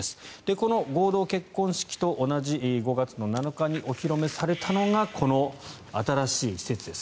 この合同結婚式と同じ５月７日にお披露目されたのがこの新しい施設です。